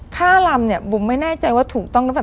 ถ้ารำเนี่ยบุ๋มไม่แน่ใจว่าถูกต้องนะครับ